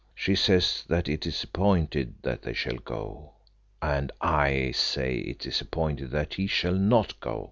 She says that it is appointed that they shall go " "And I say it is appointed that he shall not go.